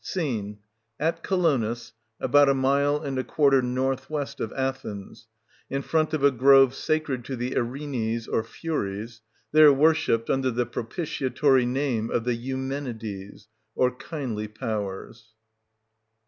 Scene: At Colonus, about a mile and a quarter N.W. of Athens, in front of a grove sacred to the Erinyes or Furies, — there worshipped under the propitiatory name of the Eumenides, or Kindly Powers.